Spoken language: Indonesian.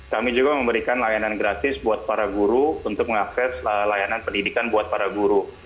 kami juga memberikan layanan gratis buat para guru untuk mengakses layanan pendidikan buat para guru